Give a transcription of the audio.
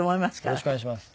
よろしくお願いします。